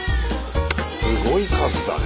すごい数だね。